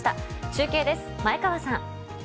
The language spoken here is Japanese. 中継です、前川さん。